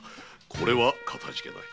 これはかたじけない。